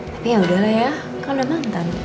tapi ya udahlah ya kau udah mantan